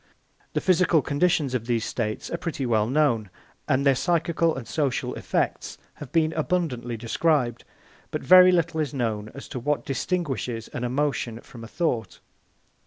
The physical conditions of these states are pretty well known, and their psychical and social effects have been abundantly described; but very little is known as to what distinguishes an emotion from a thought.